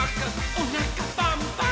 おなかパンパン」